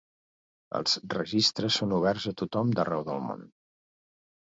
Els registres són oberts a tothom d'arreu del món.